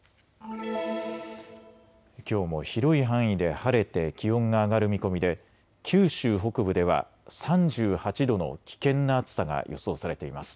きょうも広い範囲で晴れて気温が上がる見込みで九州北部では３８度の危険な暑さが予想されています。